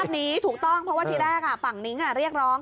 นี้ถูกต้องเพราะว่าทีแรกฝั่งนิ้งเรียกร้อง